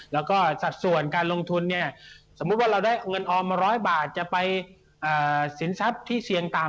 แล้วก็สัดส่วนการลงทุนเนี่ยสมมุติว่าเราได้เงินออมมา๑๐๐บาทจะไปสินทรัพย์ที่เสี่ยงต่ำ